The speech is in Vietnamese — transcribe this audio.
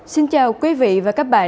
xin chào quý vị và các bạn